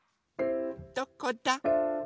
どこだ？